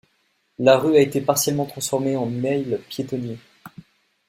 La rue a été partiellement transformée en mail pietonnier.